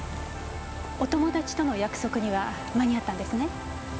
お友達との約束には間に合ったんですね？